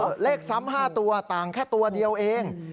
เลขซ้ำ๕ตัวต่างแค่ตัวเดียวเอง